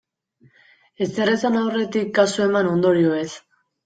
Ezer esan aurretik, kasu eman ondorioez.